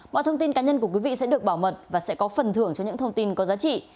mọi thông tin cá nhân của quý vị sẽ được bảo mật và sẽ có phần thưởng cho những thông tin có giá trị